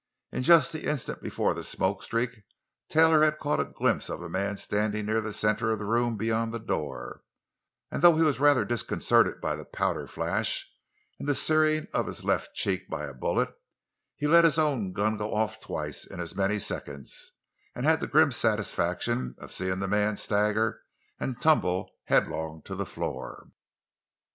In just the instant before the smoke streak Taylor had caught a glimpse of a man standing near the center of the room beyond the door, and though he was rather disconcerted by the powder flash and the searing of his left cheek by a bullet, he let his own gun off twice in as many seconds, and had the grim satisfaction of seeing the man stagger and tumble headlong to the floor.